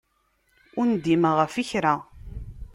Ur ndimeɣ ɣef kra.